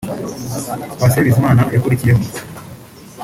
Patient Bizimana yakurikiyeho